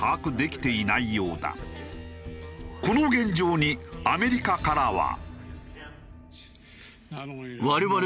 この現状にアメリカからは。